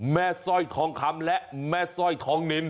สร้อยทองคำและแม่สร้อยทองนิน